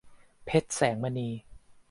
เพชร แสงมณี